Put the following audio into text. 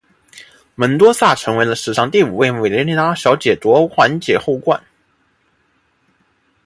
门多萨成为了史上第五位委内瑞拉小姐夺环姐后冠。